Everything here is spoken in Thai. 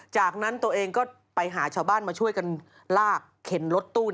จากนั้นตัวเองก็ไปหาชาวบ้านมาช่วยกันลากเข็นรถตู้